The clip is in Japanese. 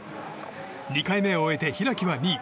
２回目を終えて、開は２位。